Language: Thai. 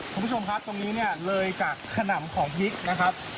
คุณผู้ชมครับตรงนี้เนี่ยเลยจากขนำของพริกนะครับ